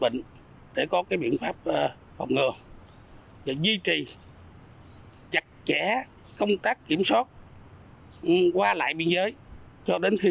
bệnh để có cái biện pháp phòng ngừa và duy trì chặt chẽ công tác kiểm soát qua lại biên giới cho đến khi